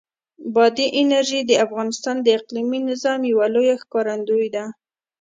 بادي انرژي د افغانستان د اقلیمي نظام یوه لویه ښکارندوی ده.